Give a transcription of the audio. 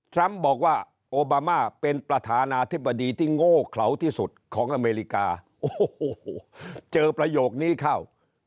ทรัมป์บอกว่าโอบามาเป็นประธานาธิบดีที่โง่เขาที่สุดของอเมริกา